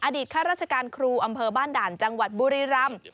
อดีตค่ะราชการครูอำเภอบ้านด่านจังหวัดบุรีรัมค์